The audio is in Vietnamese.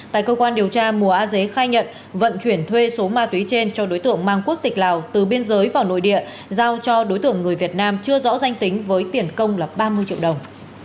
tại cơ quan điều tra mùa a dế khai nhận vận chuyển thuê số ma túy trên cho đối tượng mang quốc tịch lào từ biên giới vào nội địa giao cho đối tượng người việt nam chưa rõ danh tính với tiền công là ba mươi triệu đồng